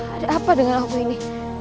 ada apa dengan aku ini